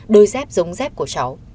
đôi dép giống dép của cháu